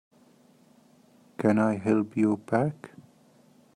Can I help you pack?